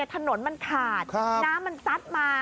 ถนนมันขาดน้ำมันซัดมา